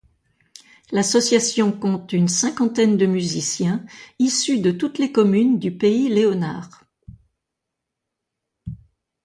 L'association compte une cinquantaine de musiciens issus de toutes les communes du Pays Léonard.